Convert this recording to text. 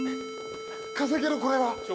稼げるこれは。